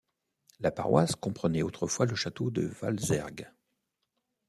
La paroisse comprenait autrefois le château de Valzergues.